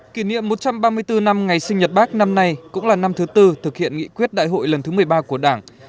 kỷ niệm một trăm ba mươi bốn năm ngày sinh nhật bác năm nay cũng là năm thứ tư thực hiện nghị quyết đại hội lần thứ một mươi ba của đảng